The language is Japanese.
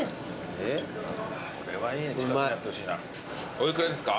おいくらですか？